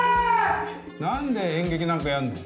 何で演劇なんかやんの？